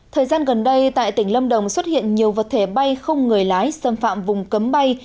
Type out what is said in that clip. thời gian gần đây tại tỉnh lâm đồng xuất hiện nhiều vật thể bay không người lái xâm phạm vùng cấm bay